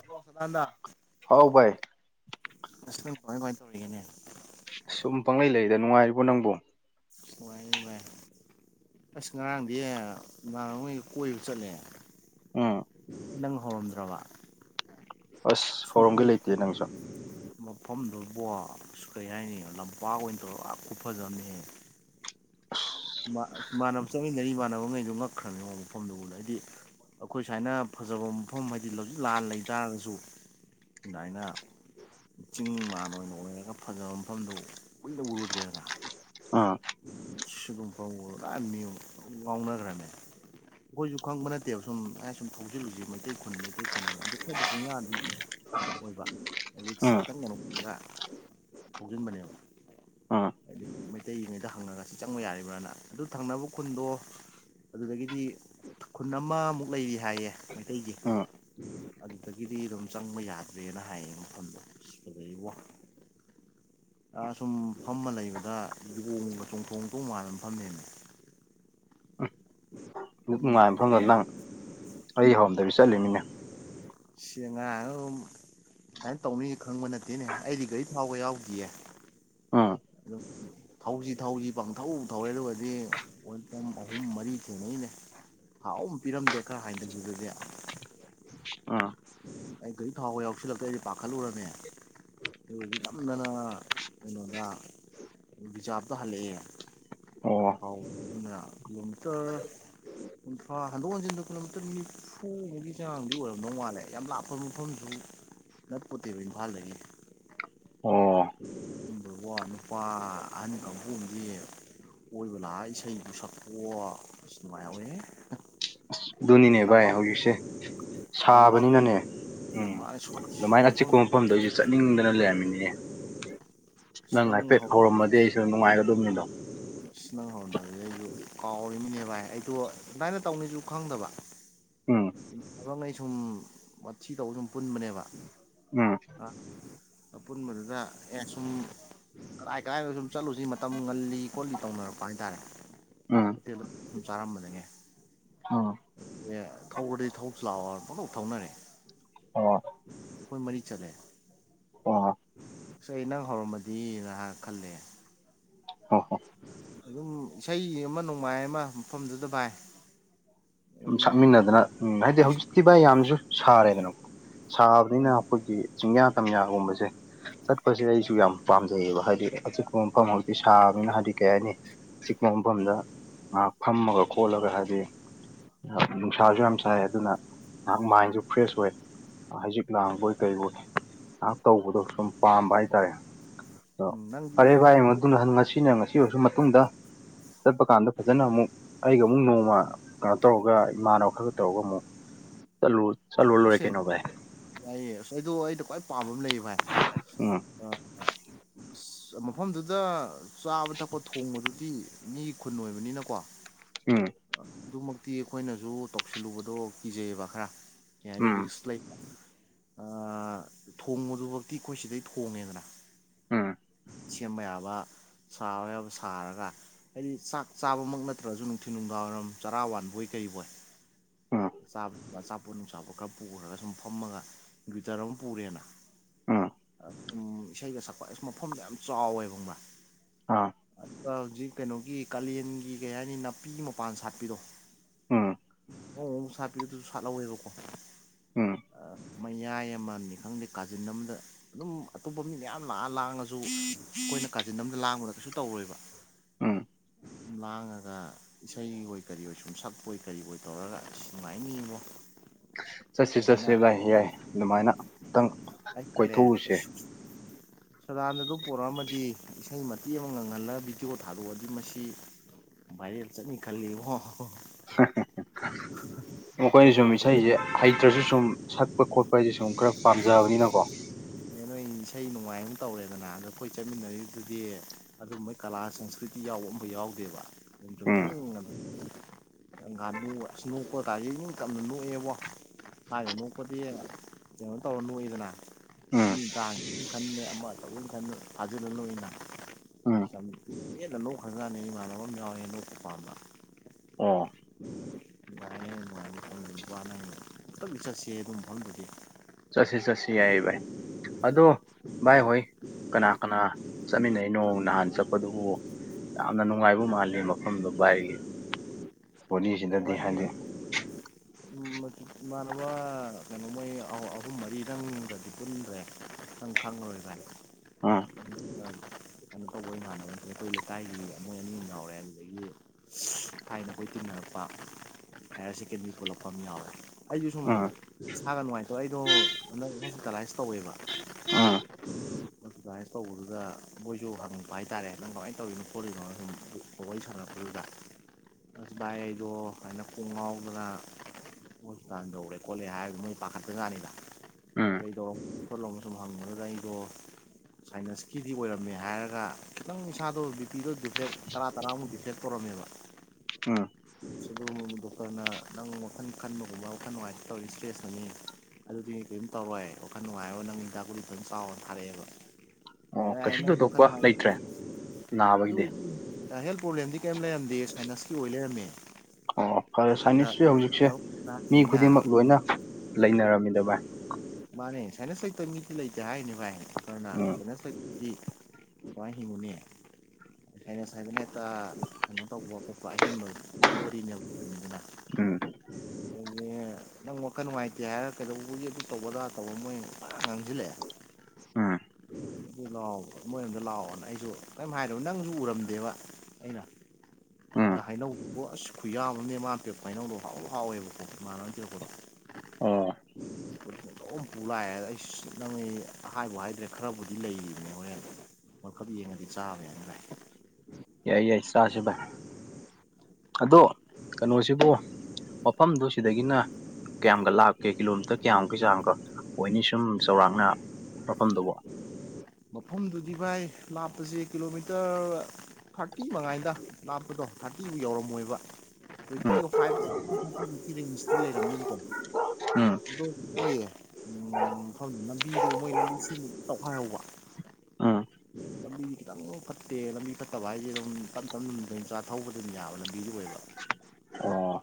hello ꯁ ꯊꯥꯟꯗꯥ ꯍꯥꯎ ꯚꯥꯏ ꯑꯁ ꯅꯪ ꯀꯃꯥꯏꯟ ꯀꯃꯥꯏꯟ ꯇꯧꯔꯤꯒꯦꯅꯦ ꯁꯨꯝ ꯄꯪꯂꯩ ꯂꯩꯗ ꯅꯨꯡꯉꯥꯏꯔꯤꯕꯣ ꯅꯪꯕꯣ ꯥꯏ ꯥꯏ ꯑꯁ ꯉꯔꯥꯡꯗꯤ ꯅꯍꯉꯩꯒ ꯀꯣꯏꯕ ꯆꯠꯂꯦ ꯎꯝ ꯅꯪ ꯍꯧꯔꯝꯗ꯭ꯔꯕ ꯑꯁ ꯍꯧꯔꯝꯒꯦ ꯁꯄꯝ ꯂꯩꯇꯦ ꯅꯪꯁꯨ ꯃꯐꯝꯗꯨꯕꯨꯣ ꯑꯁ ꯀꯩ ꯍꯥꯏꯅꯤ ꯂꯝꯄꯥꯛ ꯑꯣꯏꯅ ꯇꯧꯔꯒ ꯑ ꯈꯨꯐꯖꯕ ꯑꯃꯅꯤ ꯏꯃꯥ ꯏꯃꯥꯟꯅꯕ ꯆꯠꯃꯤꯟꯅꯔꯤ ꯏꯃꯥꯟꯅꯕꯉꯩꯗꯣ ꯉꯛꯈ꯭ꯔꯝꯅꯤ ꯃꯐꯝꯗꯨ ꯎꯕꯗꯥ ꯑꯩꯗꯤ ꯑꯩꯈꯣꯏ ꯁꯨꯃꯥꯏꯅ ꯐꯖꯕ ꯃꯐꯝ ꯍꯥꯏꯗꯤ ꯂꯧꯖꯤꯛ ꯂꯥꯟ ꯂꯩ ꯇꯥꯔꯒꯁꯨ ꯑꯗꯥꯏꯅꯥ ꯆꯤꯡ ꯃꯥꯟ ꯑꯣꯏꯅ ꯑꯣꯏꯔꯒ ꯐꯖꯕ ꯃꯐꯝꯗꯨ ꯀꯨꯏꯗ ꯎꯔꯨꯗ꯭ꯔꯦꯗ ꯎꯝ ꯁꯤꯒꯨꯝ ꯐꯥꯎ ꯔꯥꯃꯤ ꯋꯥꯅꯔ꯭ꯔꯅꯦ ꯑꯩꯈꯣꯏꯁꯨ ꯈꯪꯕ ꯅꯠꯇꯦꯕ ꯁꯨꯝ ꯑꯩꯅ ꯁꯨꯝ ꯊꯧꯖꯤꯜꯂꯨꯁꯤ ꯃꯩꯇꯩ ꯈꯨꯟ ꯃꯩꯇꯩ ꯈꯨꯟ ꯍꯥꯏ [unintelligible] ꯑꯣꯏꯕ ꯔꯤꯛꯁ ꯎꯝ ꯈꯤꯇꯪ ꯃꯅꯨꯡꯗ ꯐꯖꯤꯟꯕꯅꯦꯕ ꯎꯝ ꯍꯥꯏꯗꯤ ꯃꯩꯇꯩꯉꯩꯗ ꯍꯪꯉꯒ ꯁꯤ ꯆꯪꯕ ꯌꯥꯔꯤꯕ꯭ꯔꯥꯅ ꯑꯗꯨ ꯊꯪꯅꯕ ꯈꯨꯟꯗꯣ ꯑꯗꯨꯗꯒꯤꯗꯤ ꯈꯨꯟ ꯑꯃꯃꯨꯛ ꯂꯩꯔꯤ ꯍꯥꯏꯌꯦ ꯃꯩꯇꯩꯒꯤ ꯎꯝ ꯑꯗꯨꯗꯒꯤꯗꯤ ꯑꯗꯨꯝ ꯆꯪꯕ ꯌꯥꯗ꯭ꯔꯦꯅ ꯍꯥꯏꯌꯦ ꯃꯐꯝꯗꯣ ꯑꯗꯨꯗꯩ ꯋꯥ ꯁꯨꯝ ꯐꯝꯃ ꯂꯩꯕꯗ ꯂꯣꯡꯕ ꯆꯣꯡꯊꯣꯡ ꯇꯣꯡ ꯃꯥ ꯐꯃꯦꯅꯦ ꯅꯨꯡꯉꯥꯏꯕ ꯃꯐꯝꯗ ꯅꯪ ꯑꯩ ꯍꯧꯔꯝꯗꯕꯤ ꯆꯠꯂꯤꯅꯤꯅ ꯁꯦ ꯉꯥꯏ ꯑꯗꯨ ꯑꯗꯨꯃꯥꯏꯅ ꯇꯧꯅꯤ ꯈꯪꯕ ꯅꯠꯇꯦꯅꯦ ꯑꯩꯗꯤ ꯒꯥꯔꯤ ꯊꯥꯎꯕ ꯌꯥꯎꯈꯤꯌꯦ ꯎꯝ ꯍꯣ ꯊꯧꯁꯤ ꯊꯧꯁꯤ ꯄꯥꯡꯊꯧ ꯊꯧꯔꯦ ꯑꯗꯨꯒꯗꯤ ꯑꯍꯨꯝ ꯃꯔꯤ ꯊꯦꯡꯅꯩꯅꯦ ꯊꯥꯎ ꯑꯝ ꯄꯤꯔꯝꯗꯦ ꯈꯔ ꯍꯥꯏꯊꯒꯤꯕꯗꯗꯤ ꯎꯝ ꯑꯩ ꯒꯥꯔꯤ ꯊꯥꯎꯒ ꯌꯥꯎꯁꯤꯜꯂꯛꯇ ꯑꯩꯗꯤ ꯄꯥꯈꯠꯂꯨꯔꯅꯦ ꯀꯩꯅꯣꯗꯤ ꯅꯝꯗꯅ ꯀꯩꯅꯣꯗ ꯕꯤꯖꯥꯄꯗꯣ ꯍꯜꯂꯛꯑꯦ ꯑꯣ ꯊꯥꯎ ꯀꯤꯂꯣꯃꯤꯇꯔ ꯀꯨꯟꯊ꯭ꯔꯥ ꯍꯟꯗꯣꯛ ꯍꯟꯖꯤꯟꯗ ꯀꯤꯂꯣꯃꯤꯇꯔ ꯅꯤꯐꯨ ꯃꯨꯛꯀꯤ ꯆꯥꯡꯗꯤ ꯑꯣꯏꯔꯝꯗꯧ ꯃꯥꯜꯂꯦ ꯌꯥꯝ ꯂꯥꯞꯄ ꯃꯐꯝꯁꯨ ꯅꯠꯄꯣꯠꯇꯦꯕ ꯏꯝꯐꯥꯜꯗꯒꯤ ꯑꯣ [unintelligible] ꯅꯨꯄꯥ ꯑꯍꯟ ꯀꯥꯡꯕꯨ ꯑꯝꯗꯤ ꯑꯣꯏꯕ ꯂꯥꯛꯑ ꯏꯁꯩꯕꯨ ꯁꯛꯄꯑꯣ ꯁ ꯃꯥꯏꯎꯋꯦ ꯑꯗꯨꯅꯤꯅꯦ ꯚꯥꯏ ꯍꯧꯖꯤꯛꯁꯦ ꯂꯝꯄꯥꯛ ꯁꯥꯕꯅꯤꯅꯅꯦ ꯎꯝ ꯃꯥꯅ ꯑꯗꯨꯃꯥꯏꯅ ꯑꯆꯤꯛꯄ ꯃꯐꯝꯗꯨ ꯃꯐꯝꯗꯣ ꯑꯩꯁꯨꯦ ꯆꯠꯅꯤꯡꯗꯅ ꯂꯩꯔꯝꯃꯤꯅꯤꯅꯦ ꯑꯁ ꯅꯪ ꯍꯥꯏꯐꯦꯠ ꯍꯥꯎ ꯍꯧꯔꯝꯃꯗꯤ ꯑꯩꯁꯨ ꯅꯨꯡꯉꯥꯏꯒꯗꯕꯅꯤꯗꯣ ꯑꯁ ꯅꯪ ꯍꯧꯔꯣꯟꯗꯗ ꯑꯩꯁꯨ ꯀꯥꯎꯔꯤꯃꯤꯅꯦ ꯚꯥꯏ ꯑꯩꯗꯣ ꯑꯗꯨꯃꯥꯏꯅ ꯇꯧꯅꯤꯁꯨ ꯈꯪꯗꯕ ꯎꯝ ꯍꯪ ꯑꯩ ꯁꯨꯝ ꯃꯊꯤ ꯇꯧꯕ ꯁꯨꯝ ꯄꯨꯟꯕꯅꯦꯕ ꯎꯝ ꯑꯄꯨꯟꯕꯗꯨꯗ ꯑꯦ ꯁꯨꯝ ꯀꯔꯥꯏ ꯀꯔꯥꯏꯗ ꯁꯨꯝ ꯆꯠꯂꯨꯁꯤ ꯃꯇꯝ ꯉꯜꯂꯤ ꯈꯣꯠꯂꯤ ꯇꯧꯅꯔꯛꯄ ꯍꯥꯏꯇꯥꯔꯦ ꯎꯝ [unintelligible] ꯁꯨꯝ ꯆꯥꯔꯝꯕꯅꯤꯍꯦ ꯑꯣ ꯑꯦ ꯊꯧꯔꯗꯤ ꯊꯧꯁꯤ ꯂꯥꯛꯑꯣꯅ ꯄꯪꯊꯧ ꯊꯧꯅꯔꯦ ꯑꯣ ꯑꯩꯈꯣꯏ ꯃꯔꯤ ꯆꯠꯂꯦ ꯑꯣ ꯑꯁ ꯑꯩ ꯅꯪ ꯍꯧꯔꯝꯃꯗꯤ ꯉꯥꯍꯥꯛ ꯈꯜꯂꯦ ꯍꯣꯏ ꯍꯣꯏ ꯑꯗꯨꯝ ꯏꯁꯩ ꯑꯃ ꯅꯣꯡꯃꯥꯏ ꯑꯃ ꯃꯐꯝꯗꯨꯗ ꯚꯥꯏ ꯑꯗꯨꯝ ꯎꯝ ꯁꯛꯃꯤꯟꯅꯗꯅ ꯎꯝ ꯍꯥꯏꯗꯤ ꯍꯧꯖꯤꯛꯇꯤ ꯚꯥꯏ ꯌꯥꯝꯖꯨ ꯁꯥꯔꯦꯗꯅ ꯁꯥꯕꯅꯤꯅ ꯑꯈꯣꯏꯒꯤ ꯆꯤꯡꯌꯥ ꯇꯝꯌꯥꯒꯨꯝꯕꯖꯦ ꯆꯠꯄꯁꯦ ꯑꯩꯁꯨ ꯌꯥꯝ ꯄꯥꯝꯖꯩꯌꯦꯕ ꯍꯥꯏꯗꯤ ꯑꯆꯤꯛꯄ ꯃꯐꯝ ꯍꯧꯖꯥꯛꯇꯤ ꯁꯥꯕꯅꯤꯅ ꯍꯥꯏꯗꯤ ꯀꯩ ꯍꯥꯏꯅꯤ ꯑꯆꯤꯛꯄꯥ ꯃꯐꯝꯗ ꯉꯥꯏꯍꯥꯛ ꯐꯝꯃꯒ ꯈꯣꯠꯂꯒ ꯍꯥꯏꯗꯤ ꯍꯥ ꯅꯨꯡꯁꯥꯁꯨ ꯌꯥꯝ ꯁꯥꯏ ꯑꯗꯨꯅ ꯉꯥꯏꯍꯥꯛ ꯃꯥꯏꯟꯁꯨ ꯐ꯭ꯔꯦꯁ ꯑꯣꯏ ꯍꯥꯏꯖꯤꯛ ꯂꯥꯡꯕꯣꯏ ꯀꯩꯕꯣꯏ ꯉꯍꯥꯛ ꯇꯧꯕꯗꯣ ꯁꯨꯝ ꯄꯥꯝꯕ ꯍꯥꯏꯇꯥꯔꯦ ꯑꯗꯣ ꯐꯔꯦ ꯅꯪꯒꯤ ꯚꯥꯏ ꯑꯩ ꯃꯇꯨꯝꯗ ꯍꯟ ꯉꯁꯤꯅ ꯉꯁꯤ ꯁꯤ ꯑꯣꯏꯔꯁꯨ ꯃꯇꯨꯡꯗ ꯆꯠꯄ ꯀꯥꯟꯗ ꯐꯖꯅ ꯑꯃꯨꯛ ꯑꯩꯒ ꯑꯃꯨꯛ ꯅꯣꯡꯃ ꯇꯧꯔꯒ ꯏꯃꯥꯟꯅꯕ ꯈꯔꯒ ꯇꯧꯔꯒ ꯑꯃꯨꯛ ꯆꯠꯂꯨ ꯆꯠꯂꯨꯔꯂꯣꯏꯔꯦ ꯁꯦ ꯀꯩꯅꯣ ꯚꯥꯏ ꯌꯥꯏꯌꯦ ꯑꯁ ꯑꯩꯗꯨ ꯑꯩꯩꯅ ꯈ꯭ꯋꯥꯏ ꯄꯥꯝꯕ ꯑꯃ ꯂꯩꯌꯩ ꯚꯥꯏ ꯎꯝ ꯑ ꯑ ꯑꯁ ꯃꯐꯝꯗꯨꯗ ꯆꯥꯕ ꯊꯛꯄ ꯊꯣꯡꯕꯗꯨꯗꯤ ꯃꯤꯒꯤ ꯈꯨꯟ ꯑꯣꯏꯕꯅꯤꯅꯀꯣ ꯎꯝ ꯑꯗꯨꯃꯛꯇꯤ ꯑꯈꯣꯏꯅꯖꯨ ꯇꯧꯁꯤꯜꯂꯨꯕꯗꯣ ꯀꯤꯖꯩꯌꯦꯕ ꯈꯔ ꯀꯩ ꯍꯥꯏꯅꯤ ꯔꯤꯛꯁ ꯂꯩ ꯑ ꯊꯣꯡꯕꯗꯨꯕꯛꯇꯤ ꯑꯩꯈꯣꯏ ꯁꯤꯗꯩ ꯊꯣꯡꯉꯦꯗꯅ ꯎꯝ ꯁꯦꯝꯕ ꯌꯥꯕ ꯁꯥꯕ ꯌꯥꯕ ꯁꯥꯔꯒ ꯍꯥꯏꯗꯤ ꯆꯥꯛ ꯆꯥꯕꯃꯛ ꯅꯠꯇ꯭ꯔꯖꯨ ꯅꯨꯡꯊꯤꯟ ꯅꯨꯡꯗꯥꯡꯋꯥꯏꯔꯝ ꯆꯔꯥꯋꯥꯟꯕꯣꯏ ꯀꯩꯕꯣꯏ ꯎꯝ ꯎꯝ ꯆꯥꯕꯗꯖꯨ ꯑꯆꯥꯄꯣꯠ ꯅꯨꯡꯆꯥꯄꯣꯠ ꯈꯔ ꯄꯨꯈ꯭ꯔꯒ ꯁꯨꯝ ꯐꯝꯃꯒ ꯒ꯭ꯋꯔꯤꯇꯔ ꯑꯃ ꯄꯨꯔꯦꯅ ꯎꯝ ꯑ ꯁꯨꯝ ꯏꯁꯩꯒ ꯁꯛꯄ ꯑꯩꯁ ꯃꯐꯝꯗꯣ ꯌꯥꯝ ꯆꯥꯎꯋꯦꯕ ꯈꯪꯕ꯭ꯔꯥ ꯑꯥ ꯑꯗꯨꯒ ꯍꯧꯖꯤꯛ ꯀꯩꯅꯣꯒꯤ ꯀꯥꯂꯦꯟꯒꯤ ꯀꯩ ꯍꯥꯏꯅꯤ ꯅꯥꯄꯤ ꯃꯄꯥꯟ ꯁꯥꯠꯄꯤꯗꯣ ꯎꯝ ꯑꯉꯧ ꯑꯉꯧ ꯁꯥꯠꯄꯤꯗꯨ ꯑꯗꯨꯖꯨ ꯁꯥꯠꯍꯧꯋꯦꯕꯀꯣ ꯎꯝ ꯑ ꯃꯌꯥꯏ ꯑꯃꯅꯤ ꯈꯪꯗꯦ ꯀꯥꯖꯤꯟ ꯑꯝꯗ ꯑꯗꯨꯝ ꯑꯇꯣꯞꯄ ꯃꯤ ꯃꯌꯥꯝ ꯂꯥꯛꯑ ꯂꯥꯡꯉꯖꯨ ꯑꯩꯈꯣꯏꯅ ꯀꯥꯆꯤꯟ ꯑꯝꯗ ꯂꯥꯡꯕꯗ ꯀꯩꯁꯨ ꯇꯧꯔꯣꯏꯕ ꯎꯝ ꯂꯥꯡꯉꯒ ꯏꯁꯩ ꯑꯣꯏ ꯀꯔꯤ ꯑꯣꯏ ꯁꯨꯝ ꯁꯛꯄꯣꯏ ꯀꯔꯤꯕꯣꯏ ꯇꯧꯔꯒ ꯅꯨꯡꯉꯥꯏꯅꯤꯉꯣ ꯆꯠꯁꯦ ꯆꯠꯁꯦ ꯚꯥꯏ ꯌꯥꯏ ꯑꯗꯨꯃꯥꯏꯅ ꯇꯪ ꯑꯩ ꯈꯜꯂꯦ ꯀꯣꯏꯊꯣꯛꯎꯁꯦ ꯑꯁ ꯁꯗꯥꯅꯟꯗꯗꯨ ꯄꯣꯔꯛꯑꯃꯗꯤ ꯏꯁꯩ ꯃꯇꯦꯛ ꯑꯃ ꯉꯪꯍꯜꯂꯒ ꯚꯤꯗꯤꯑꯣ ꯊꯥꯗꯣꯛꯑꯗꯤ ꯃꯁꯤ ꯚꯥꯏꯔꯦꯜ ꯆꯠꯅꯤ ꯈꯜꯂꯤꯕꯣ ꯍꯦ ꯍꯦ ꯍꯦ ꯃꯈꯣꯏꯅ ꯁꯨꯝ ꯄꯣꯠꯇꯣ ꯏꯁꯩꯖꯦ ꯍꯩꯇ꯭ꯔꯖꯨ ꯁꯨꯝ ꯁꯛ ꯄ ꯈꯣꯠꯄ ꯍꯥꯏꯖꯦ ꯁꯨꯝ ꯈꯔ ꯄꯥꯝꯖꯕꯅꯤꯅꯀꯣ ꯑꯗꯩ ꯅꯣꯏ ꯏꯁꯩ ꯅꯣꯡꯃꯥꯏ ꯑꯝ ꯇꯧꯔꯦꯗꯅ ꯑꯗꯣ ꯀꯣꯏ ꯆꯠꯃꯤꯟꯅꯔꯤꯗꯨꯗꯤ ꯑꯗꯨꯝꯕ ꯀꯂꯥ ꯁꯪꯁꯀ꯭ꯔꯤꯇꯤ ꯌꯥꯎꯕ ꯑꯝꯐꯥꯎ ꯌꯥꯎꯗꯦꯕ ꯑꯗꯨꯝ ꯎꯝ ꯆꯨꯝꯗ꯭ꯔꯤꯡ ꯑꯗꯨ ꯑ ꯉꯥꯅꯨ ꯑꯁ ꯅꯣꯛꯄ ꯀꯥꯏꯖꯦ ꯏꯅꯤꯡ ꯇꯝꯅ ꯅꯣꯛꯑꯦꯕ ꯊꯥꯏꯅ ꯅꯣꯛꯄꯗꯤ ꯀꯩꯅꯣ ꯇꯧꯔ ꯅꯣꯛꯏꯗꯅ ꯎꯝ ꯃꯤ ꯇꯥꯅꯤ ꯑꯃꯨꯛ ꯈꯟꯕꯩ ꯑꯃ ꯇꯧꯏ ꯑꯃꯨꯛ ꯈꯟꯕꯩ ꯐꯥꯖꯤꯜꯂ ꯅꯣꯛꯏꯗꯅ ꯎꯝ ꯌꯥꯝ ꯄꯦꯟꯅꯥ ꯅꯣꯛꯈ꯭ꯔꯥꯖꯥꯠꯅꯤꯍꯦ ꯏꯃꯥꯟꯅꯕ ꯑꯃ ꯌꯥꯎꯋꯦ ꯅꯣꯛꯄꯥ ꯄꯥꯝꯕꯥ ꯑꯣ [unintelligible] ꯆꯠꯁꯤ ꯆꯠꯁꯤ ꯌꯥꯏꯌꯦ ꯚꯥꯏ ꯑꯗꯣ ꯚꯥꯏ ꯍꯣꯏ ꯀꯅꯥ ꯀꯅꯥ ꯆꯠꯃꯤꯟꯅꯩꯅꯣ ꯅꯍꯥꯟ ꯆꯠꯄꯗꯨꯕꯨ ꯌꯥꯝꯅ ꯅꯨꯡꯉꯥꯏꯕ ꯃꯥꯜꯂꯤ ꯃꯐꯝꯗꯨ ꯚꯥꯏꯒꯤ ꯄꯣꯅꯤꯁꯤꯗꯗꯤ ꯅꯨꯡꯉꯥꯏꯌꯦ ꯍꯥꯏꯗꯤ ꯎꯝ ꯃꯗꯨ ꯏꯃꯥꯟꯅꯕ ꯃꯣꯏ ꯑꯍꯨꯝ ꯃꯔꯤꯗꯪꯒꯗꯤ ꯄꯨꯟꯒ꯭ꯔꯦ ꯈꯪ ꯈꯪꯉꯔꯣꯏ ꯚꯥꯏ ꯑ ꯀꯩꯅꯣ ꯇꯧꯕ ꯏꯃꯅꯕ ꯑꯩꯈꯣꯏ ꯂꯩꯀꯥꯏꯒꯤ ꯃꯣꯏ ꯑꯅꯤ ꯑꯃ ꯌꯥꯎꯔꯦ ꯑꯗꯨꯗꯒꯤ ꯊꯥꯏꯅ ꯍꯣꯏ ꯇꯤꯟꯅꯔꯦ ꯂ ꯍꯥꯏꯔ ꯁꯦꯀꯦꯟꯗꯔꯤ ꯄꯨꯂꯛꯄ ꯑꯃ ꯌꯥꯎꯋꯦ ꯑꯩꯁꯨ ꯁꯨꯝ ꯎꯝ ꯁꯥꯒ ꯅꯨꯡꯉꯥꯏꯇꯣ ꯑꯩꯗꯣ ꯍꯟꯗꯛ ꯍꯣꯁꯄꯤꯇꯥꯂꯥꯏꯁ ꯇꯧꯋꯦꯕ ꯎꯝ ꯑꯦꯛꯁꯔꯁꯥꯏꯁ ꯇꯧꯕꯗꯨꯒ ꯃꯣꯏꯁꯨ ꯍꯪꯉꯛꯄ ꯍꯥꯏꯇꯥꯔꯦ ꯅꯪ ꯀꯃꯥꯏꯅ ꯇꯧꯔꯤꯅꯣ ꯈꯣꯠꯂꯤꯅꯣ ꯁꯨꯝ ꯑꯗꯨ ꯀꯩ ꯁꯥꯟꯅꯈꯤꯕꯗꯨꯗ ꯑꯁ ꯚꯏ ꯑꯩꯗꯣ ꯍꯥꯏꯅ ꯀꯣꯡ ꯉꯥꯎꯗꯅ ꯍꯣꯁꯄꯤꯇꯥꯜ ꯌꯧꯔꯦ ꯈꯣꯠꯂꯦ ꯍꯥꯏꯔꯒ ꯅꯣꯏ ꯄꯥꯈꯠꯇꯖꯥꯅꯤꯗ ꯎꯝ ꯀꯩꯗꯧꯔꯣ ꯁꯣꯜꯂꯣ ꯔꯝ ꯍꯥꯡꯅ ꯔꯥꯏꯗꯣ ꯁꯥꯏꯟꯁꯀꯤꯗꯤ ꯑꯣꯏꯔꯝꯃꯦ ꯍꯥꯏꯔꯒ ꯈꯤꯇꯪ ꯏꯁꯥꯗꯣ ꯕꯤ ꯄꯤꯗꯣ ꯗꯤ ꯦꯛ ꯇꯔꯥ ꯇꯔꯥꯃꯨꯛꯇꯤ ꯐꯦꯛ ꯇꯧꯔꯝꯃꯦꯕ ꯀ ꯗꯣꯛꯇꯔꯅ ꯅꯪ ꯋꯥꯈꯜ ꯈꯟꯕꯒꯨꯝꯕ ꯋꯥꯈꯜ ꯅꯨꯡꯉꯥꯏꯇ ꯇꯧꯔꯤ ꯏꯁꯇ꯭ꯔꯦꯁ ꯑꯅꯤ ꯑꯗꯨꯗꯤꯅꯦ ꯀꯩꯩꯅꯝ ꯇꯧꯔꯦ ꯋꯥꯈꯜ ꯅꯨꯡꯉꯥꯏꯔꯣ ꯅꯪ ꯍꯤꯗ ꯒꯨꯔꯤꯗ ꯑꯗꯨꯝ ꯆꯥꯎꯅ ꯊꯥꯔꯛꯑꯦꯕ ꯑꯣ ꯀꯩꯁꯨ ꯌꯥꯅ ꯈ ꯊꯣꯏꯗꯣꯛꯄ ꯂꯩꯇ꯭ꯔꯦ ꯑꯗꯨ ꯅꯥꯕꯒꯤꯗꯤ ꯍꯦꯜ ꯄ꯭ꯔꯣꯕ꯭ꯂꯦꯝꯗꯤ ꯀꯩꯝ ꯂꯩꯔꯝꯗꯦ ꯁꯥꯏꯅꯥꯟꯁꯀꯤ ꯑꯣꯏ ꯂꯩꯔꯝꯃꯦ ꯑꯣ ꯐꯔꯦ ꯁꯥꯏꯅꯤꯁ ꯍꯧꯖꯤꯛꯁꯦ ꯃꯤ ꯅꯤꯅ ꯈꯨꯗꯤꯡꯃꯛ ꯂꯣꯏꯅ ꯂꯩꯅꯔꯝꯃꯤꯗ ꯚꯥꯏ ꯃꯥꯅꯦ ꯁꯥꯏꯅꯁ ꯂꯩꯇꯕ ꯃꯤꯗꯤ ꯂꯩꯇꯦ ꯍꯥꯏꯔꯤꯅꯤ ꯎꯝ ꯚꯥꯏꯅ ꯁ ꯋꯥꯍꯤꯅꯤ ꯈꯥꯏꯅ ꯁ ꯍꯥꯏꯗꯅ ꯍꯦꯛꯇ ꯀꯩꯅꯣ ꯇꯧꯕ ꯈꯣꯠꯄ ꯑꯍꯦꯟꯕ ꯑꯩꯕꯗꯤ ꯅꯗꯅꯥ ꯎꯝ ꯑꯅꯦ ꯅꯪ ꯋꯥꯈꯜ ꯅꯨꯡꯉꯥꯏꯇꯦ ꯍꯥꯏꯔꯒ ꯀꯩꯗꯧꯕꯒꯤ ꯑꯗꯨ ꯇꯧꯕꯒꯗ꯭ꯔꯥ ꯇꯧꯕ ꯃꯣꯏ ꯉꯥꯡꯁꯤꯜꯂꯛꯑꯦ ꯎꯝ [inaudible] ꯃꯣꯏꯔꯣꯝꯗ ꯂꯥꯛꯑꯣꯅ ꯑꯩꯁꯨ ꯀꯔꯤꯝ ꯍꯥꯏꯗꯔꯕ ꯅꯪꯁꯨ ꯎꯔꯝꯗꯦꯕ ꯑꯩꯅ ꯎꯝ ꯍꯩꯅꯧ ꯑꯁ ꯈꯨꯌꯥꯕꯅꯦ ꯃꯥꯅ ꯇꯦꯛꯄ ꯍꯩꯅꯧꯗꯣ ꯍꯥꯎ ꯍꯥꯎꯋꯦꯕꯀꯣ ꯏꯃꯥꯟꯅꯕ ꯇꯦꯛꯄꯗꯣ ꯑꯣ [unintelligible] ꯂꯣꯛ ꯑꯃ ꯄꯨꯨ ꯂꯥꯛꯑꯦ ꯑꯩ ꯅꯪ ꯍꯥꯏꯕꯨ ꯍꯥꯏꯗ꯭ꯔꯦ ꯈꯔꯕꯨꯗꯤ ꯂꯩ ꯃꯣꯏ ꯃꯈꯜ ꯌꯦꯡꯉꯗꯤ ꯆꯥꯕ ꯌꯥꯏꯅ ꯚꯥꯏ ꯌꯥꯏ ꯌꯥꯏ ꯆꯥꯁꯦ ꯚꯥꯏ ꯑꯗꯣ ꯀꯩꯅꯣꯁꯤꯕꯣ ꯃꯐꯝꯗꯨ ꯁꯤꯗꯒꯤꯅ ꯀꯌꯥꯝꯨꯛ ꯂꯥꯛꯀꯦ ꯀꯤꯂꯣꯃꯤꯇꯔ ꯀꯌꯥꯃꯨꯛꯀꯩ ꯆꯌꯥꯃꯨꯛꯀ ꯑꯣꯏꯅꯤ ꯁꯨꯝ ꯆꯧꯔꯥꯛꯅ ꯃꯐꯝꯗꯨꯕ ꯃꯐꯝꯗꯨꯗꯤ ꯚꯥꯏ ꯂꯥꯞꯄꯁꯦ ꯀꯤꯂꯣꯃꯤꯇꯔ ꯊꯥꯔꯇꯤ ꯃꯉꯥꯏꯗ ꯂꯥꯞꯄꯗꯣ ꯊꯥꯔꯇꯤꯗꯨ ꯌꯧꯔꯝꯃꯣꯏꯕ ꯎꯝ ꯇ꯭ꯋꯤꯒ ꯐꯥꯏꯚꯇꯤꯔꯤꯁꯇꯤ ꯂꯩꯔꯝꯅꯤꯅꯀꯣ ꯎꯝ ꯑ ꯑꯣꯏꯌꯦ ꯎ ꯂꯝꯕꯤꯗꯣ ꯃꯣꯏ ꯂꯝꯕꯤꯁꯤꯡ ꯇꯧꯈꯥꯏꯍꯧꯕ ꯎꯝ [unintelligible] ꯂꯝꯕꯤ ꯈꯤꯇꯪ ꯐꯠꯇꯦ ꯂꯝꯕꯤ ꯐꯠꯇꯕ ꯍꯥꯏꯁꯦ ꯑꯗꯨꯝ ꯇꯞꯝ ꯇꯞꯅ ꯑꯗꯨꯝ ꯆꯆꯥ ꯊꯧꯕ ꯑꯗꯨꯝ ꯌꯥꯕ ꯂꯝꯃꯤ ꯑꯣꯏꯕ ꯑꯣ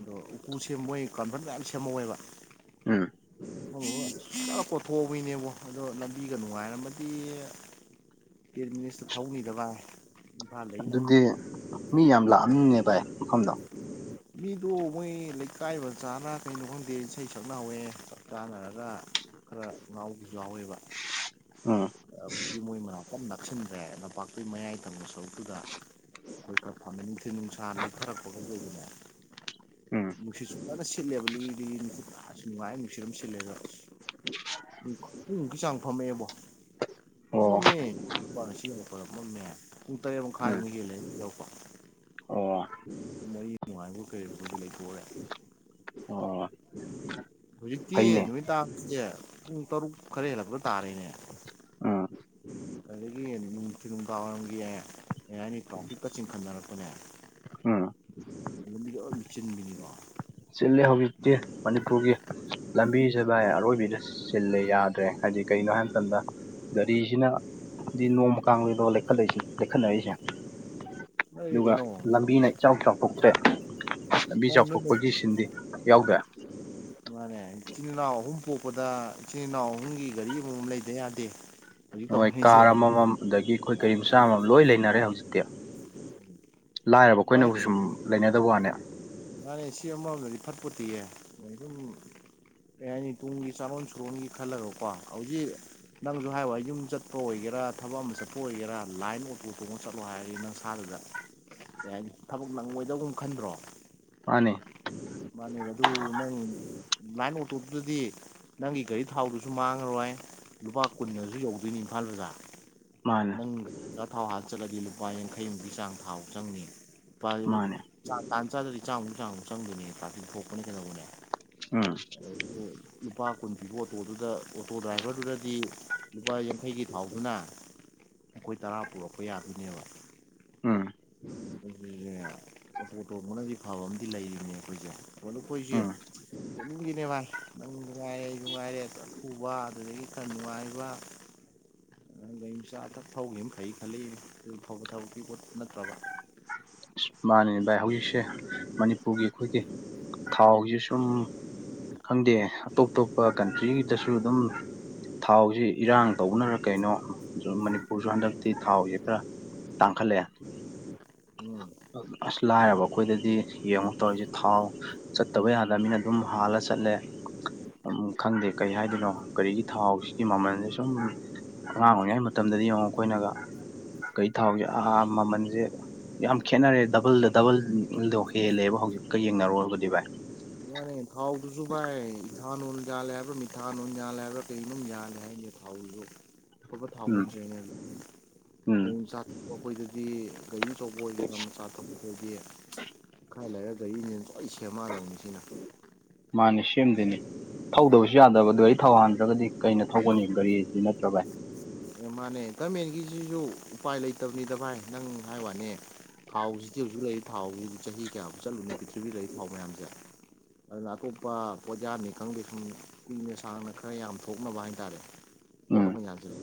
ꯑꯗꯣ ꯎꯀꯨ ꯁꯦꯝ ꯃꯣꯏ ꯀꯥꯟꯐꯟ ꯃꯌꯥꯝ ꯁꯦꯝꯍꯧꯋꯦꯕ ꯎꯝ ꯀꯣꯊꯣꯛꯕꯒꯤꯅꯦꯕꯣ ꯑꯗꯣ ꯂꯝꯕꯤꯒ ꯅꯨꯡꯉꯥꯏꯔꯝꯃꯗꯤ ꯍꯥꯏꯗꯤ ꯄꯠꯃꯤꯅꯤꯁꯇꯨ ꯐꯧꯅꯤꯗꯕ ꯑꯗꯨꯗꯤ ꯃꯤ ꯌꯥꯝ ꯂꯥꯛꯑꯅꯤꯅꯦ ꯚꯥꯏ ꯃꯐꯝꯗꯣ [unintelligible] ꯃꯤꯗꯣ ꯃꯣꯏ ꯂꯩꯀꯥꯏ ꯃ ꯆꯥꯅ ꯀꯩꯅꯣ ꯈꯪꯗꯦ ꯏꯁꯩ ꯁꯛꯅꯍꯧꯋꯦ ꯆꯞ ꯆꯥꯟꯅꯔꯒ ꯈꯔ ꯉꯥꯎꯕ ꯌꯥꯎꯋꯦꯕ ꯎꯝ ꯏ ꯃꯣꯏ ꯃꯅꯥꯎꯛꯇ ꯅꯛꯁꯤꯟꯗ꯭ꯔꯦ ꯂꯝꯄꯥꯛꯇꯨꯒꯤ ꯃꯌꯥꯏ ꯇꯪꯕ ꯁꯔꯨꯛꯇꯨꯗ ꯍꯣꯏ ꯈꯔ ꯐꯥꯅ ꯅꯨꯡꯊꯤꯜ ꯅꯨꯡꯁꯥ ꯂꯩꯊꯔꯛꯄꯒꯩꯗꯕꯅꯦ ꯎꯝ ꯅꯨꯡꯁꯤꯠꯁꯨ ꯐꯖꯅ ꯁꯤꯜꯂꯦꯕ ꯂꯤꯗꯤ ꯅꯨꯡꯉꯥꯏ ꯅꯨꯡꯁꯤꯠ ꯑꯗꯨꯝ ꯁꯤꯜꯂꯦꯗ ꯄꯨꯡꯨꯛꯀꯤ ꯆꯥꯡ ꯐꯝꯃꯛꯑꯦꯕꯣ ꯎ ꯑꯣ ꯃꯝꯃꯦ ꯂꯨꯄꯥꯁꯤ ꯑꯃ ꯈꯔ ꯃꯝꯃꯦ ꯄꯨꯡ ꯇꯔꯦꯠ ꯎꯝ ꯃꯈꯥꯏꯃꯨꯛ ꯌꯦꯜꯂꯦ ꯑꯗꯨ ꯌꯔꯛꯄ ꯑꯣ ꯃꯔꯤ ꯅꯨꯡꯉꯥꯏꯕ ꯀꯩꯗꯧꯕꯒꯤ ꯂꯩꯊꯣꯛꯔꯦ ꯑꯣ ꯍꯧꯖꯤꯛꯇꯤ ꯐꯩꯅꯦ ꯅꯨꯃꯤꯠ ꯇꯥꯁꯦ ꯄꯨꯡ ꯇꯔꯨꯛ ꯈꯔ ꯍꯦꯜꯂꯛꯄ ꯇꯥꯔꯤꯦꯅꯦ ꯎꯝ [unintelligible] ꯑꯗꯒꯤ ꯅꯨꯡꯊꯤ ꯅꯨꯡ ꯀꯥꯋꯥꯏꯔꯝꯒꯤ ꯀ ꯍꯥꯏꯅꯤ ꯄ꯭ꯔꯥꯎꯐꯤꯛꯀ ꯆꯤꯡꯈꯅꯔꯛꯄꯅꯦ ꯎꯝ ꯕꯤ ꯃꯆꯤꯟ ꯆꯤꯂꯦ ꯍꯧꯖꯤꯛꯇꯤ ꯃꯅꯤꯄꯨꯔꯒꯤ ꯂꯝꯕꯤ ꯁꯦꯕꯥꯏ ꯑꯔꯣꯏꯕꯤꯗ ꯁꯤꯜꯂꯦ ꯌꯥꯗ꯭ꯔꯦ ꯍꯥꯏꯗꯤ ꯀꯩꯅꯣ ꯍꯥꯏꯕ ꯃꯇꯝꯗ ꯒꯥꯔꯤꯁꯤꯅꯗꯤ ꯅꯣꯡꯃ ꯀꯥꯡꯗꯗꯣ ꯂꯩꯈꯠꯂꯛꯏꯁꯦ ꯂꯩꯈꯠꯅꯛꯏꯁꯦ ꯅꯣꯏꯗꯤ ꯑꯗꯨꯒ ꯀꯩꯅꯣ ꯂꯝꯕꯤꯅ ꯏꯆꯥꯎ ꯆꯥꯎꯊꯣꯛꯇꯦ ꯂꯝꯕꯤ ꯆꯥꯎꯊꯣꯛ ꯁꯤ ꯁꯤꯟꯗꯤ ꯌꯥꯎꯗꯦ ꯃꯥꯅꯦ ꯏꯤꯜ ꯏꯅꯥꯎ ꯑꯍꯨꯝ ꯄꯣꯛꯄꯗ ꯏꯆꯜ ꯏꯅꯥꯎ ꯑꯍꯨꯝꯒꯤ ꯒꯥꯔꯤ ꯑꯃꯃꯝ ꯂꯩꯗ ꯌꯥꯗ ꯗꯦ ꯅꯣꯏ ꯀꯥꯔ ꯑꯃꯃꯝ ꯑꯗꯒꯤ ꯑꯩꯈꯣꯏ ꯀꯔꯤ ꯃꯆꯥ ꯑꯃꯃꯝ ꯂꯣꯏ ꯂꯩꯅꯔꯦ ꯍꯧꯖꯤꯛꯇꯤ ꯂꯥꯏꯔꯕ ꯑꯩꯈꯣꯏꯅꯕꯨ ꯁꯨꯝ ꯂꯩꯅꯗꯕ ꯋꯥꯅꯦ ꯃꯥꯥꯟꯅꯦ ꯁꯤ ꯑꯃꯥꯎꯗꯗꯤ ꯐꯠꯄꯣꯠꯇꯤꯌꯦ ꯑꯗꯨꯝ ꯑꯦ ꯍꯥꯏꯅꯤ ꯇꯨꯡꯒꯤ ꯆꯥꯔꯣꯟ ꯁꯨꯔꯣꯟꯒꯤ ꯈꯜꯂꯔꯣꯀꯣ ꯍꯧꯖꯤꯛ ꯅꯪꯁꯨ ꯍꯥꯏꯕꯏ ꯌꯨꯝ ꯆꯠꯄ ꯑꯣꯏꯒꯦꯔꯥ ꯊꯕꯛ ꯑꯃ ꯆꯠꯄ ꯑꯣꯏꯒꯦꯔꯥ ꯂꯥꯏꯟ ꯑꯣꯇꯣ ꯇꯣꯡꯉ ꯆꯠꯂꯣ ꯍꯥꯏꯔꯗꯤ ꯅꯪꯁꯥꯗꯨꯗ ꯌꯥ ꯊꯕꯛ ꯅꯪꯉꯣꯏꯗꯧꯕꯨꯝ ꯈꯟꯗ꯭ꯔꯣ ꯃꯥꯅꯦ ꯃꯥꯅꯦꯕ ꯑꯗꯨ ꯅꯪ ꯂꯥꯏꯟ ꯑꯣꯇꯣꯗꯨꯗꯗꯤ ꯅꯪꯒꯤ ꯒꯥꯔꯤ ꯊꯥꯎꯗꯨꯁꯨ ꯃꯥꯡꯉꯔꯣꯏ ꯂꯨꯄꯥ ꯀꯨꯟꯁꯨ ꯌꯧꯗꯣꯏꯅꯤ ꯏꯝꯐꯥꯜꯗꯨꯗ ꯃꯥꯅꯤ ꯅꯪꯒ ꯊꯥꯎ ꯍꯥꯞꯆꯠꯂꯗꯤ ꯂꯨꯄꯥ ꯌꯥꯡꯈꯩꯃꯨꯛꯀꯤ ꯆꯥꯡ ꯊꯥꯎ ꯆꯪꯅꯤ ꯃꯥꯅꯤ ꯇꯥꯟ ꯆꯥꯗ꯭ꯔꯗꯤ ꯆꯥꯡꯃꯨꯛ ꯆꯥꯡꯃꯨꯛ ꯆꯪꯗꯣꯏꯅꯦ ꯇꯥꯁꯤ ꯊꯣꯛꯄꯅꯦ ꯀꯩꯗꯧꯕꯅꯦ ꯑꯝ ꯂꯨꯄꯥ ꯀꯨꯟ ꯄꯤꯕ ꯑꯣꯇꯣꯗꯨꯗ ꯑꯣꯇꯣ ꯗ꯭ꯔꯥꯏꯚꯔꯗꯨꯗꯗꯤ ꯂꯨꯄꯥ ꯌꯥꯡꯈꯩꯒꯤ ꯐꯥꯎꯗꯨꯅ ꯑꯩꯣꯏ ꯇꯔꯥ ꯄꯨꯔꯛꯄ ꯌꯥꯗꯣꯏꯅꯦꯕ ꯎꯝ ꯑꯩꯈꯣꯏꯁꯦ ꯑꯣꯇꯣꯇꯣꯕꯅꯗꯤ ꯐꯕ ꯑꯃꯗꯤ ꯂꯩꯔꯤꯅꯦ ꯑꯩꯈꯣꯏꯁꯦ ꯑꯗꯣ ꯑꯩꯈꯣꯏꯁꯦ ꯎꯝ ꯆꯨꯝꯒꯤꯅꯦꯕꯥꯅꯤ ꯅꯪ ꯅꯨꯡꯉꯥꯏꯔꯦ ꯅꯨꯡꯉꯥꯏꯔꯦ ꯑꯗꯨꯂꯨꯕ ꯑꯗꯨꯗꯒꯤ ꯈꯔ ꯅꯨꯡꯉꯥꯏꯕ ꯒꯥꯆꯥ ꯑ ꯊꯛ ꯊꯧꯈꯤꯕ ꯐꯩ ꯈꯜꯂꯤ ꯑꯗꯨ ꯐꯧꯕ ꯊꯕꯛꯀꯤ ꯄꯣꯠ ꯅꯠꯇ꯭ꯔꯕ ꯃꯥꯅꯅꯦ ꯚꯥꯏ ꯍꯧꯖꯤꯛꯁꯦ ꯃꯅꯤꯄꯨꯔꯒꯤ ꯑꯩꯈꯣꯏꯒꯤ ꯊꯥꯎꯁꯦ ꯁꯨꯝ ꯈꯪꯗꯦ ꯑꯇꯣꯞ ꯑꯇꯣꯞꯄ ꯀꯟꯇ꯭ꯔꯤꯗꯁꯨ ꯑꯗꯨꯝ ꯊꯥꯎꯁꯤ ꯏꯔꯥꯡ ꯇꯧꯅꯔ ꯀꯩꯅꯣ ꯃꯅꯤꯄꯨꯔꯁꯨ ꯍꯟꯗꯛꯇꯤ ꯊꯥꯎꯁꯤꯦ ꯈꯔ ꯇꯥꯡꯈꯠꯂꯦ ꯎꯝ ꯑꯗꯨ ꯑꯁ ꯂꯥꯏꯔꯕ ꯑꯩꯈꯣꯏꯗꯗꯤ ꯌꯦꯡꯉꯣ ꯇꯧꯔꯤꯁꯦ ꯊꯥꯎ ꯆꯠꯇꯕ ꯌꯥꯗ ꯆꯠꯂꯃꯤꯅ ꯑꯗꯨꯝ ꯍꯥꯜꯂ ꯆꯠꯂꯦ ꯈꯪꯗꯦ ꯀꯔꯤ ꯍꯥꯏꯗꯣꯏꯅꯣ ꯀꯔꯤꯒꯤ ꯊꯥꯎꯁꯤꯒꯤ ꯃꯃꯜꯁ ꯁꯨꯝ ꯑꯉꯥꯡ ꯑꯣꯏꯔꯤꯉꯩ ꯃꯇꯝꯗꯗꯤ ꯑꯃꯡꯉ ꯑꯩꯈꯣꯏꯅꯒ ꯀꯩ ꯊꯥꯎꯁꯦꯥ ꯃꯃꯜꯁꯦ ꯌꯥꯝ ꯈꯦꯠꯅꯔꯦ ꯗꯕꯜꯗ ꯗꯕꯜꯗꯣ ꯍꯦꯜꯂꯦꯕ ꯍꯧꯖꯤꯛꯀ ꯌꯦꯡꯅꯔꯨꯔꯨꯔꯒꯗꯤ ꯚꯥꯏ ꯃꯥꯅꯦ ꯊꯥꯎꯗꯨꯁꯨ ꯚꯥꯏ ꯏꯊꯥ ꯂꯜ ꯌꯥꯥꯜꯂꯦ ꯍꯥꯏꯕꯥ ꯃꯤꯊꯥ ꯂꯣꯟꯜ ꯌꯥꯜꯂꯦ ꯍꯥꯏꯕ꯭ꯔꯥ ꯀꯩꯅꯝ ꯌꯥꯜꯂꯦ ꯍꯥꯏꯠꯦ ꯊꯥꯎꯗꯨ ꯑꯐꯕ ꯊꯥꯎ ꯎꯝ ꯅꯠꯇ꯭ꯔꯦꯅꯦ ꯎꯝ ꯀ ꯆꯥꯛ ꯑꯩꯈꯣꯏꯗꯗꯤ ꯒꯥꯔꯤ ꯑꯆꯧꯕ ꯑꯣꯏꯒꯦ ꯂꯝ ꯃꯆꯥ ꯊꯣꯛꯄ ꯈꯣꯠꯇꯦ ꯈꯔ ꯂꯩꯔꯒ ꯒꯥꯔꯤꯅꯦꯅ ꯑꯩ ꯁꯦꯝꯃꯗꯕꯅꯤ ꯁꯤꯅ ꯃꯥꯅꯦ ꯁꯦꯝꯗꯣꯏꯅꯦ ꯊꯧꯗꯕꯁꯨ ꯌꯥꯗꯕ ꯑꯗꯨ ꯊꯧꯍꯟꯗ꯭ꯔꯒꯗꯤ ꯀꯩꯅ ꯊꯧꯒꯅꯤ ꯒꯥꯔꯤꯁꯤ ꯅꯠꯇ꯭ꯔꯒ ꯃꯥꯅꯦ ꯒꯃꯦꯟꯒꯤꯁꯤꯁꯨ ꯎꯄꯥꯏ ꯂꯩꯇꯕꯅꯤꯗ ꯚꯥꯏ ꯅꯪ ꯍꯥꯏꯥꯏ ꯋꯥꯅꯦ ꯊꯥꯎꯁꯤꯗꯤ ꯍꯧꯖꯤꯛ ꯂꯩꯔꯤ ꯊꯥꯎꯁꯤꯗꯤ ꯆꯍꯤ ꯀꯌꯥꯃꯨꯛ ꯆꯠꯂꯨꯅ ꯄ꯭ꯔꯤꯊꯤꯕꯤ ꯂꯩ ꯊꯥꯎ ꯃꯌꯥꯝꯁꯦ ꯑꯗꯨꯅ ꯑꯇꯣꯞꯄ ꯄꯣꯖꯥꯅꯤ ꯈꯪꯗꯦ ꯁꯨꯝ ꯀꯨꯏꯅ ꯁꯥꯡꯅ ꯈꯔ ꯌꯥꯝ ꯊꯣꯛꯅꯕ ꯍꯥꯏꯇꯥꯔꯦ ꯄꯣꯠ ꯎꯝ ꯑꯃꯌꯥꯝꯁꯤꯅ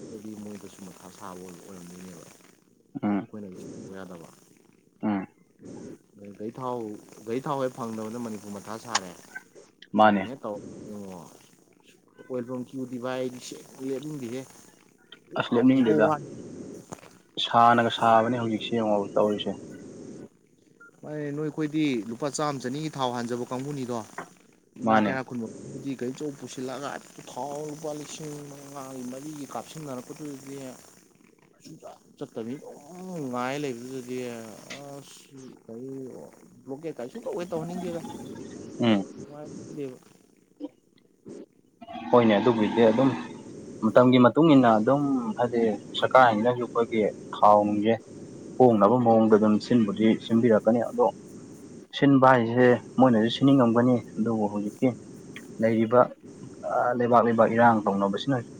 ꯃꯣꯏꯗꯁꯨ ꯃꯊꯥ ꯁꯥꯕ ꯑꯣꯏꯅ ꯑꯣꯏꯔꯝꯗꯣꯏꯅꯦꯕ ꯎꯝ ꯑꯩꯈꯣꯏꯅꯁꯨ ꯑꯣꯏ ꯌꯥꯗꯕ ꯎꯝ ꯩ ꯊꯥꯎ ꯩ ꯊꯥꯎ ꯍꯦꯛ ꯐꯪꯗꯕꯅ ꯃꯅꯤꯄꯨꯔ ꯃꯊꯥ ꯁꯥꯔꯦ ꯃꯥꯅꯦ ꯇ ꯌꯦꯡꯉꯣ ꯦꯜꯐꯣꯝ ꯀ꯭ꯌꯨꯗꯤ ꯚꯥꯏꯒꯤ ꯁꯦ ꯎ ꯑꯗꯨꯝꯗꯤꯍꯦ ꯑꯁ ꯂꯦꯞꯅꯤꯡꯗꯦꯗ ꯁꯥꯅꯒ ꯁꯥꯕꯅꯦ ꯍꯧꯖꯤꯛꯁꯤ ꯌꯦꯡꯉꯣꯕ ꯇꯧꯔꯤꯁꯦ ꯍ ꯅꯣꯏ ꯑꯩꯈꯣꯏꯗꯤ ꯂꯨꯄꯥ ꯆꯥꯝꯃ ꯆꯅꯤꯒꯤ ꯊꯥꯎ ꯍꯥꯟꯖꯕ ꯀꯥꯡꯕꯨꯅꯤꯗꯣ ꯃꯥꯅꯦ ꯀ ꯈꯨꯟꯃꯗꯤ ꯀꯔꯤꯆꯧ ꯄꯨꯁꯤꯜꯂꯛꯒ ꯊꯥꯎ ꯂꯨꯄꯥ ꯂꯤꯁꯤꯡ ꯃꯉꯥꯒꯤ ꯃꯔꯤꯒꯤ ꯀꯥꯞꯁꯤꯟꯅꯔꯛ ꯄꯨꯗꯌꯥ ꯁꯨꯝ ꯆꯠꯇꯕꯅꯤ ꯄꯨꯡ ꯉꯥꯏ ꯂꯩꯕꯗꯨꯗꯗꯤ ꯑꯁ ꯀ ꯕ꯭ꯂꯣꯀꯦꯠ ꯀꯥꯏꯁꯨ ꯀꯧꯋꯦ ꯎꯝ ꯇꯧꯍꯟꯅꯤꯡꯒꯦꯗꯉꯥꯏꯕ ꯍꯣꯏꯅꯦ ꯑꯗꯨꯕꯨꯗꯤ ꯑꯗꯨꯝ ꯃꯇꯝꯒꯤ ꯃꯇꯨꯡ ꯏ ꯃꯇꯨꯡꯏꯟꯅ ꯑꯗꯨꯝ ꯍꯥꯏꯗꯤ ꯀꯥꯏꯅꯁꯨ ꯑꯩꯈꯣꯏꯒꯤ ꯊꯥꯎꯅꯨꯡꯁꯦ ꯍꯣꯡꯅꯕ ꯃꯑꯣꯡꯗ ꯑꯗꯨꯝ ꯁꯤꯟꯕꯨꯗꯤ ꯁꯤꯟꯕꯤꯔꯛꯀꯅꯤ ꯑꯗꯣ ꯁꯤꯟꯕ ꯍꯥꯏꯁꯦ ꯃꯣꯏꯅꯁꯨ ꯁꯤꯟꯅꯤꯡꯉꯝꯒꯅꯤ ꯑꯗꯨꯕꯨ ꯍꯧꯖꯤꯛꯀꯤ ꯂꯩꯔꯤꯕ [inaudible] ꯂꯩꯕꯥꯛ ꯂꯩꯕꯥꯛ ꯏꯔꯥꯡ ꯇꯧꯅꯕꯁꯤꯅ